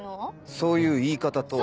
そういう言い方とは？